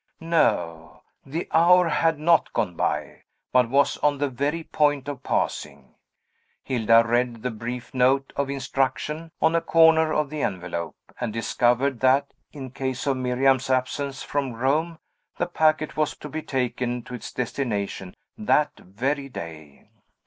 No; the hour had not gone by, but was on the very point of passing. Hilda read the brief note of instruction, on a corner of the envelope, and discovered, that, in case of Miriam's absence from Rome, the packet was to be taken to its destination that very day.